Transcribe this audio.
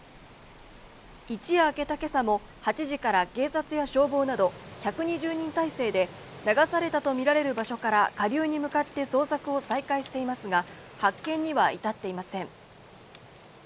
一夜明けた今朝も８時から警察や消防など１２０人態勢で流されたとみられる場所から下流に向かって捜索を再開していますが、発見には至っていません。